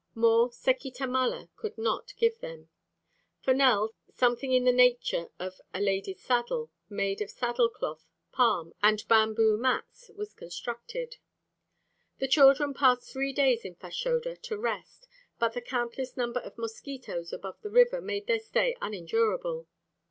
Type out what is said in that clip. More Seki Tamala could not give them. For Nell, something in the nature of a ladies' saddle, made of saddle cloth, palm, and bamboo mats was constructed. The children passed three days in Fashoda to rest, but the countless number of mosquitoes above the river made their stay unendurable.